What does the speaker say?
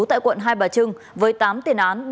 tại quận hai bà trưng với tám tiền án